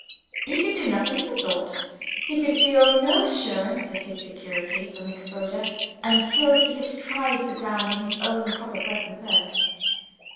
He could do nothing of the sort he could feel no assurance of his security from exposure, until he had tried the ground in his own proper person first.